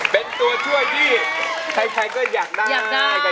เป็นตัวช่วยที่ใครก็อยากได้